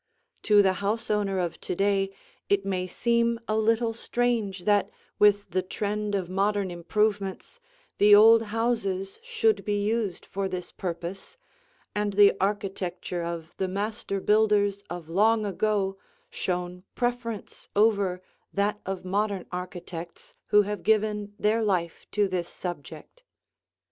To the house owner of to day it may seem a little strange that, with the trend of modern improvements, the old houses should be used for this purpose, and the architecture of the master builders of long ago shown preference over that of modern architects who have given their life to this subject.